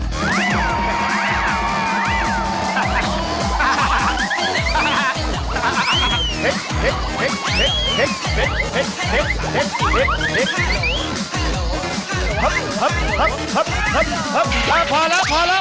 พอแล้วพอแล้วพอแล้ว